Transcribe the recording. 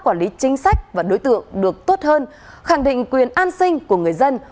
quản lý chính sách và đối tượng được tốt hơn khẳng định quyền an sinh của người dân